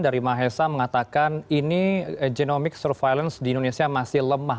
dari mahesa mengatakan ini genomic surveillance di indonesia masih lemah